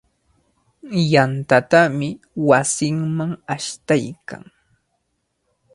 Yantatami wasinman ashtaykan.